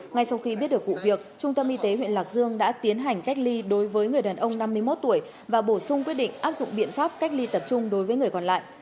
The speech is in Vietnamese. ngay sau khi biết được vụ việc trung tâm y tế huyện lạc dương đã tiến hành cách ly đối với người đàn ông năm mươi một tuổi và bổ sung quyết định áp dụng biện pháp cách ly tập trung đối với người còn lại